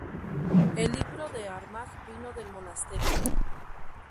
El Libro de Armagh vino del monasterio.